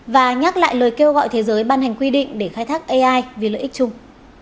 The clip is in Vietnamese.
và nhắc lại lời kêu gọi thế giới ban hành quy định để khai thác ai vì lợi ích chung